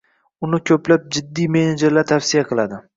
Buni ko'plab jiddiy menejerlar tavsiya qiladi